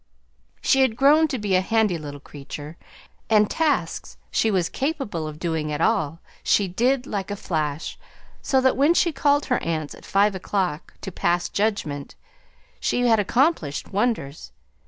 She had grown to be a handy little creature, and tasks she was capable of doing at all she did like a flash, so that when she called her aunts at five o'clock to pass judgment, she had accomplished wonders.